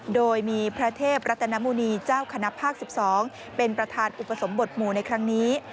โดยมีพระเทพรัตนมุณีเจ้าคณะภาค๑๒เป็นประธานอุปสมบทหมู่ในครั้งนี้